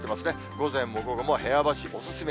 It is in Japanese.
午前も午後も部屋干しお勧め。